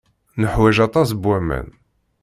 Neḥwaj aṭas n waman.